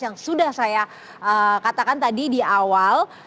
yang sudah saya katakan tadi di awal